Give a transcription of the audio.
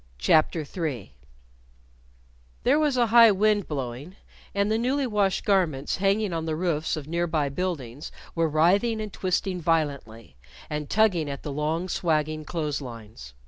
CHAPTER III There was a high wind blowing, and the newly washed garments hanging on the roofs of nearby buildings were writhing and twisting violently, and tugging at the long swagging clothes lines.